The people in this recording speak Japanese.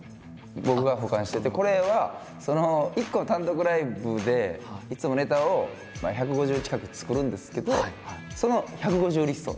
僕が保管しててこれは１個単独ライブでいつもネタを１５０近く作るんですけどその１５０リスト。